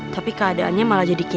tapi keadaannya malah jadi kayak